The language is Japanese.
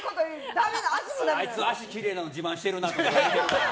あいつ脚きれいなの自慢してるなって。